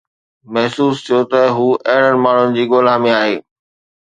محسوس ٿيو ته هو اهڙن ماڻهن جي ڳولا ۾ آهي